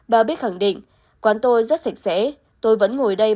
bà bích khẳng định quán tôi rất sạch sẽ tôi vẫn ngồi đây